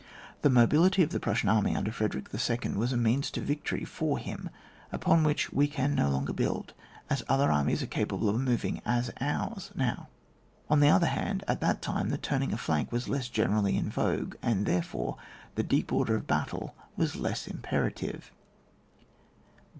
The mobility of the Prussian army under Frederick II. was a means to vic tory for him, upon which we can no lon ger build, as other armies are as capable of moving as ours now. On the other hand, at that time the turning a fiank was less generally in vogue, and, there fore, the deep order of battle was less imperative.